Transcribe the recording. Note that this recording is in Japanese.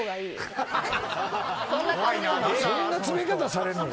そんな詰め方されるの？